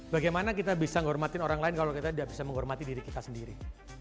bagaimana kita bisa menghormatin orang lain kalau kita tidak bisa menghormati diri kita sendiri